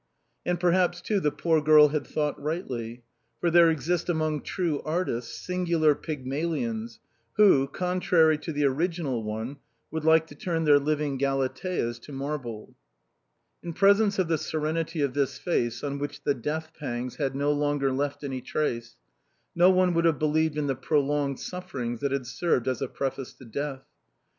And perhaps, too, the poor girl had thought rightly, for there exist among true artists singular Pygmalions who, contrary to the original one, would like to turn their living Galateas to marble. In presence of the serenity of this face on which the death pangs had no longer left any trace, no one would have believed in the prolonged sufferings that had served as a preface to death.